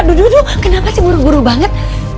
aduh dulu kenapa sih buru buru banget